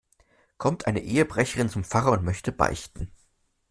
Kommt eine Ehebrecherin zum Pfarrer und möchte beichten.